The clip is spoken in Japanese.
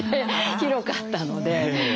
広かったので。